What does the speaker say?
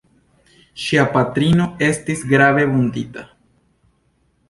Ŝia patrino estis grave vundita.